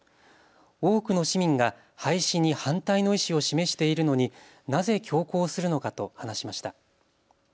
多くの市民が廃止に反対の意志を示しているのになぜ強行するのかと話しました。